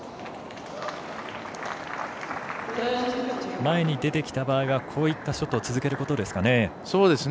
前に出てきた場合はこういったショットを続けることですかね？